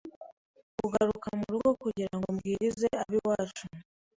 kugaruka mu rugo kugirango mbwirize ab’iwacu